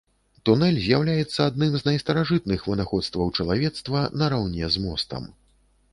Тунэль з'яўляецца адным з найстаражытных вынаходстваў чалавецтва, нараўне з мостам.